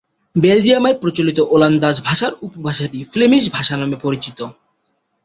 বেলজিয়ামে প্রচলিত ওলন্দাজ ভাষার উপভাষাটি ফ্লেমিশ ভাষা নামে পরিচিত।